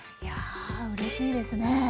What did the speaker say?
いやうれしいですね！